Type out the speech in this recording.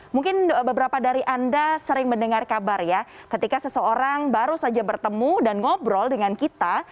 mungkin beberapa dari anda sering mendengar kabar ya ketika seseorang baru saja bertemu dan ngobrol dengan kita